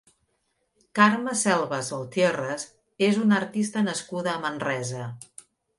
Carme Selves Baltièrrez és una artista nascuda a Manresa.